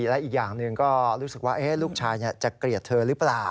และอีกอย่างหนึ่งก็รู้สึกว่าลูกชายจะเกลียดเธอหรือเปล่า